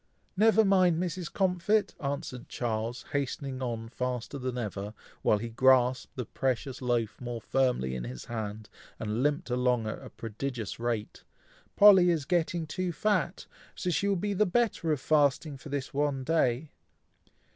"Never mind, Mrs. Comfit!" answered Charles, hastening on faster than ever, while he grasped the precious loaf more firmly in his hand, and limped along at a prodigious rate, "Polly is getting too fat, so she will be the better of fasting for this one day."